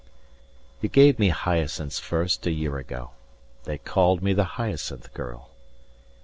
"You gave me hyacinths first a year ago; 35 They called me the hyacinth girl."